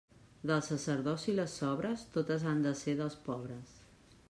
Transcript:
Del sacerdoci les sobres, totes han de ser dels pobres.